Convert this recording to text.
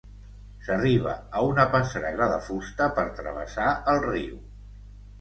S'arriba a una passarel·la de fusta per travessar el riu.